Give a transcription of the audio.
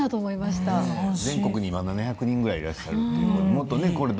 全国に今７００人ぐらいいらっしゃるということでもっと